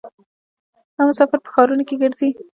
دا مسافر په ښارونو کې ګرځي.